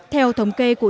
theo thống kê của